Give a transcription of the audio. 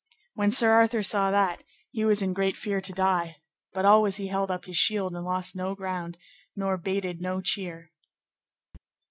When Sir Arthur saw that, he was in great fear to die, but always he held up his shield and lost no ground, nor bated no cheer.